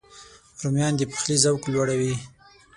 رومیان د پخلي ذوق لوړوي